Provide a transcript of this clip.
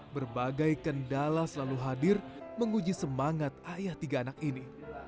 berbagai kendala selalu hadir menguji semangat ayah tiga anak ini